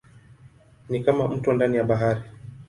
Ni kama mto ndani ya bahari.